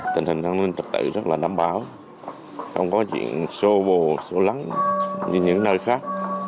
tình hình an ninh trả tự rất là đảm bảo không có chuyện sô bồ sô lắng như những nơi khác